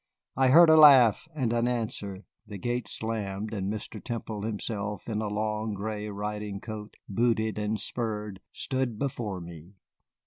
I heard a laugh and an answer, the gate slammed, and Mr. Temple himself in a long gray riding coat, booted and spurred, stood before me.